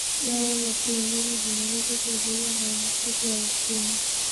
dawa za kienyeji zinaweza kuzuia maambukizi ya ukimwi